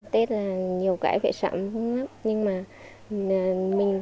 tết là nhiều cái phải sẵn lắm